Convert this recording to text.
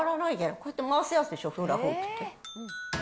こうやって回すやつでしょ、フラフープって。